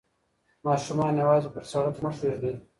ماشومان یوازې پر سړک مه پریږدئ.